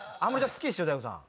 好きでしょ大悟さん。